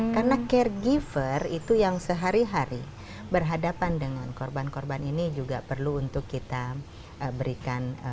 karena caregiver itu yang sehari hari berhadapan dengan korban korban ini juga perlu untuk kita berikan semacam release